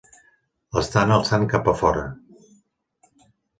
L'estan alçant cap a fora!